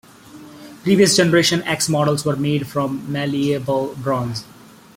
Previous Generation X models were made from malleable bronze.